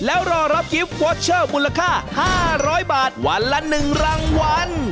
แล้วรอรับกิฟต์วอเชอร์มูลค่า๕๐๐บาทวันละ๑รางวัล